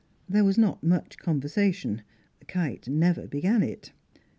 There was not much conversation; Kite never began it.